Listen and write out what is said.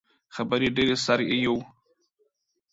خبرې ډیرې سر ئې یؤ